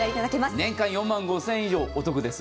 年間４万５０００円以上お得です。